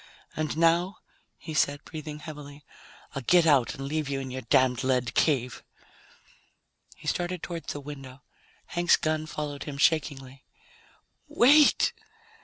"And now," he said, breathing heavily, "I'll get out and leave you in your damned lead cave." He started toward the window. Hank's gun followed him shakingly. "Wait!"